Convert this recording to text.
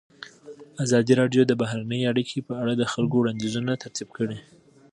ازادي راډیو د بهرنۍ اړیکې په اړه د خلکو وړاندیزونه ترتیب کړي.